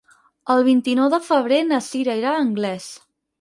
El vint-i-nou de febrer na Cira irà a Anglès.